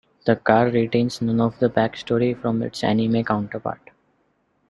The car retains none of the back story from its anime counterpart.